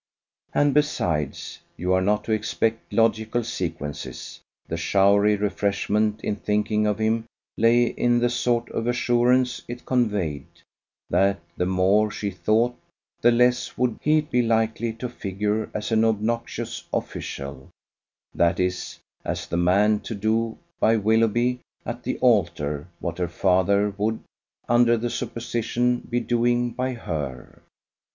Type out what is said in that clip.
And besides (you are not to expect logical sequences) the showery refreshment in thinking of him lay in the sort of assurance it conveyed, that the more she thought, the less would he be likely to figure as an obnoxious official that is, as the man to do by Willoughby at the altar what her father would, under the supposition, be doing by her.